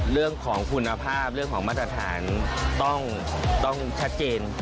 เรื่องของคุณภาพเรื่องของมาตรฐานต้องชัดเจน